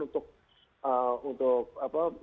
untuk mencari penumpang